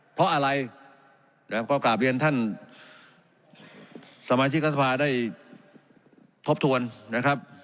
เพราะอะไรก็กลับเรียนท่านสมาชิกรสภาได้ทบทวนนะครับ